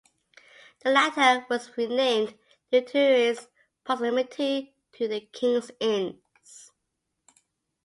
The latter was renamed due to its proximity to the King's Inns.